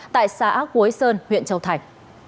tại xã quối sơn huyện châu thành